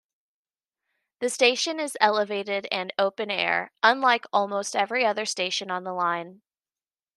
The station is elevated and open-air, unlike almost every other station on the line.